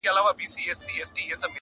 په سپینه ورځ غلو زخمي کړی تښتولی چنار،